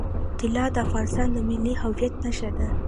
طلا د افغانستان د ملي هویت نښه ده.